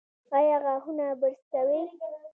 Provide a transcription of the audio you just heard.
ایا غاښونه برس کوي؟